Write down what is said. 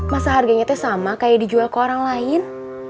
masa harganya itu sama kayak dijual ke orang lain